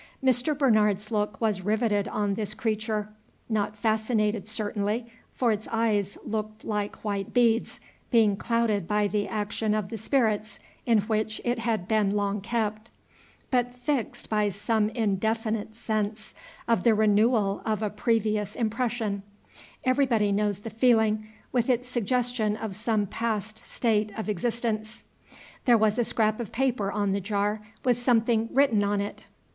Mr. Bernard's look was riveted on this creature, not fascinated certainly, for its eyes looked like white beads, being clouded by the action of the spirits in which it had been long kept, but fixed by some indefinite sense of the renewal of a previous impression; everybody knows the feeling, with its suggestion of some past state of existence. There was a scrap of paper on the jar, with something written on it.